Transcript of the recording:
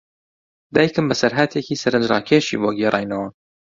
دایکم بەسەرهاتێکی سەرنجڕاکێشی بۆ گێڕاینەوە.